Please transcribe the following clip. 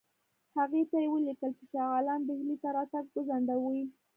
هغې ته یې ولیکل چې شاه عالم ډهلي ته راتګ وځنډوي.